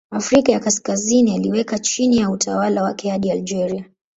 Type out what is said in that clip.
Afrika ya Kaskazini aliweka chini ya utawala wake hadi Algeria.